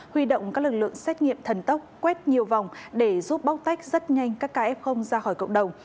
huy động các lực lượng xét nghiệm thần tốc quét nhiều vòng để giúp bóc tách rất nhanh các ca f ra khỏi cộng đồng